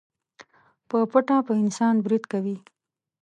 په پټه په انسان بريد کوي.